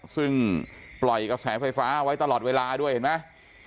ซึ่งปล่อยกระแสไฟฟ้าไว้ตลอดเวลาด้วยเห็นไหม